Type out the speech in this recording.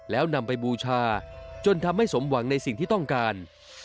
แล้วนำไปบูชาจนทำให้สมหวังในสิ่งที่ต้องการ